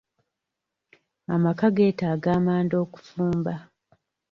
Amaka geetaaga amanda okufumba.